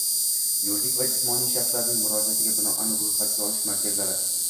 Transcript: yuridik va jismoniy shaxslarning murojaatiga binoan ro‘yxatga olish markazlari